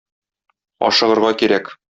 Ашыгырга кирәк.